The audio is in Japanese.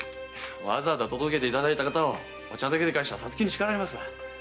わざわざ届けていただいた方をお茶だけで返しちゃ皐月に叱られます。